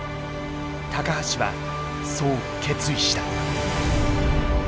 橋はそう決意した。